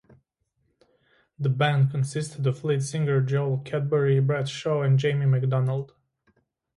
The band consisted of lead singer Joel Cadbury, Brett Shaw, and Jamie McDonald.